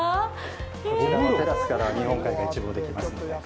こちらのテラスからは日本海が一望できますので。